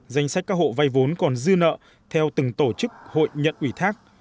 danh sách các hộ vay vốn còn dư nợ theo từng tổ chức hội nhận ủy thác